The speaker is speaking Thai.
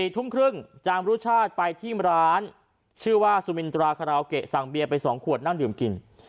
ทุ่มครึ่งจามรุชาติไปที่ร้านชื่อว่าสุมินตราคาราโอเกะสั่งเบียร์ไป๒ขวดนั่งดื่มกิน